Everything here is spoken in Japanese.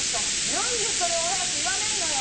何でそれを早く言わないのよ！